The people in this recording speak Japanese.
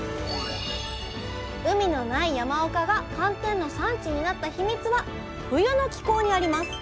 海のない山岡が寒天の産地になったヒミツは冬の気候にあります。